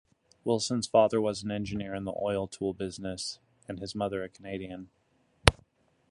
Wilson's father was an engineer in the oil-tool business and his mother a Canadian.